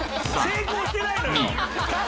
成功してないのよ！